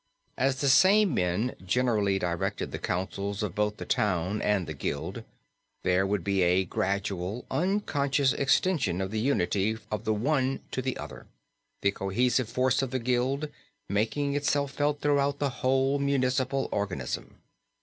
As the same men generally directed the counsels of both the town and the Gild, there would be a gradual, unconscious extension of the unity of the one to the other, the cohesive force of the Gild making itself felt throughout the whole municipal organism.